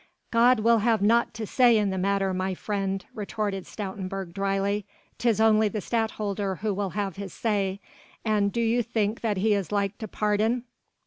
"God will have nought to say in the matter, my friend," retorted Stoutenburg dryly, "'tis only the Stadtholder who will have his say, and do you think that he is like to pardon...."